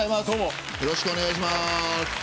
よろしくお願いします。